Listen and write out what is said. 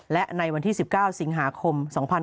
และในวันที่๑๙สิงหาคม๒๕๖๒